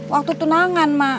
waktu tunangan mak